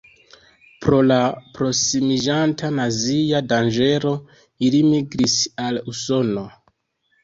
Pro la prosimiĝanta nazia danĝero ili migris al Usono.